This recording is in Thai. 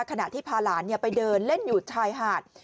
ขณะที่พาหลานไปเดินเล่นอยู่ชายหาด